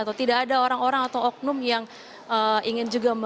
atau tidak ada orang orang atau oknum yang ingin juga